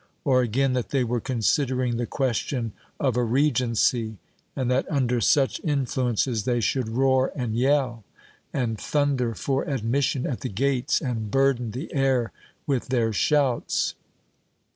or again, that they were considering the question of a Regency and that under such influences they should roar and yell, and thunder for admission at the gates, and burden the air with their shouts?